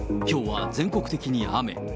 きょうは全国的に雨。